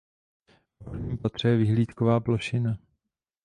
V horním patře je vyhlídková plošina.